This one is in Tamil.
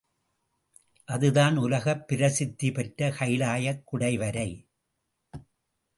அதுதான் உலகப் பிரசித்தி பெற்ற கைலாயக் குடைவரை.